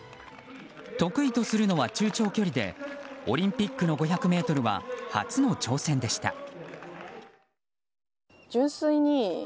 得意とするのは中長距離でオリンピックの５００ｍは初の挑戦でした。